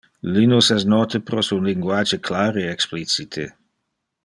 Linus es note pro su linguage clar e explicite.